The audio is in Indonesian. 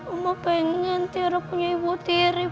oma pengen tiara punya ibu tiri